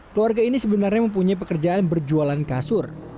keluarga ini sebenarnya mempunyai pekerjaan berjualan kasur